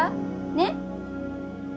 ねっ。